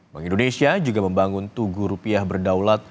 bank indonesia juga membangun tugu rupiah berdaulat